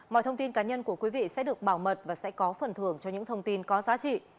mọi thông tin cá nhân của quý vị sẽ được bảo mật và sẽ có phần thưởng cho những thông tin có giá trị